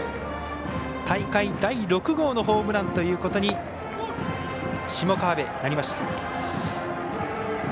大会第６号のホームランということに下川邊がなりました。